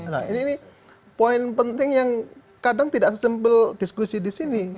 nah ini poin penting yang kadang tidak sesimpel diskusi di sini